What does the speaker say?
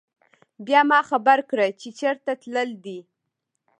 بيا ما خبر کړه چې چرته تلل دي